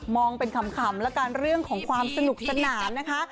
องเป็นขำแล้วกันเรื่องของความสนุกสนานนะคะ